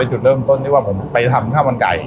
จุดเริ่มต้นที่ว่าผมไปทำข้าวมันไก่